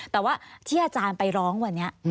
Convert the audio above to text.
แต่ว่าที่อาจารย์ไปร้องวันนี้